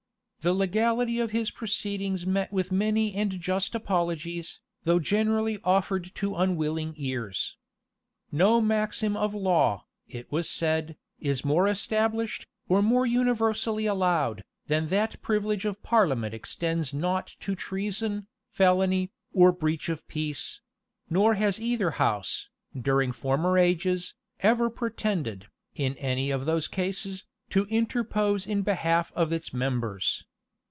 The legality of his proceedings met with many and just apologies, though generally offered to unwilling ears. No maxim of law, it was said, is more established, or more universally allowed, than that privilege of parliament extends not to treason, felony, or breach of peace; nor has either house, during former ages, ever pretended, in any of those cases, to interpose in behalf of its members.